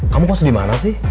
kamu kos dimana sih